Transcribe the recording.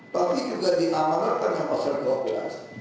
tapi juga diamanarkan sama serga opulans